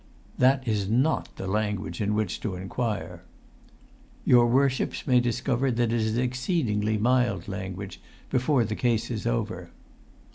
"That is not the language in which to inquire!" [Pg 152]"Your worships may discover that it is exceedingly mild language, before the case is over."